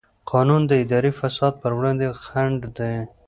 قانون د اداري فساد پر وړاندې خنډ دی.